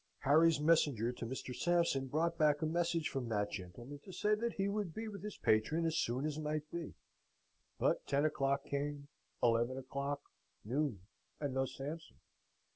Harry's messenger to Mr. Sampson brought back a message from that gentleman to say that he would be with his patron as soon as might be: but ten o'clock came, eleven o'clock, noon, and no Sampson.